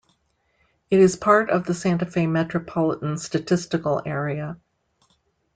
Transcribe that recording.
It is part of the Santa Fe Metropolitan Statistical Area.